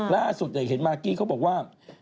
ล่าสุดเห็นมากกี้เขาบอกว่า